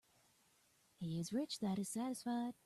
He is rich that is satisfied.